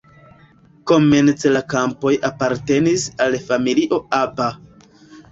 Komence la kampoj apartenis al familio Aba.